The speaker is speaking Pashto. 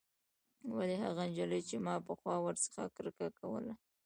ولې هغه نجلۍ چې ما پخوا ورڅخه کرکه کوله.